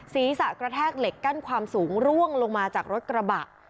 ศีรษะกระแทกเหล็กกั้นความสูงร่วงลงมาจากรถกระบะ